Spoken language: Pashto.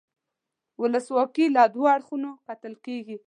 ولسواکي له دوو اړخونو کتل کیږي.